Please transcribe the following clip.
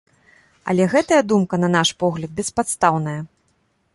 Але гэтая думка, на наш погляд, беспадстаўная.